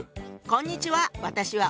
こんにちは。